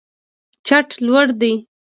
چت لوړ دی.